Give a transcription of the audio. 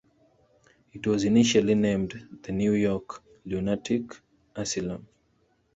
It was initially named "The New York Lunatic Asylum".